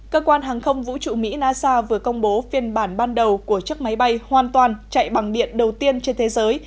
cơ quan hàng không vũ trụ mỹ nasa vừa công bố phiên bản ban đầu của chiếc máy bay hoàn toàn chạy bằng điện đầu tiên trên thế giới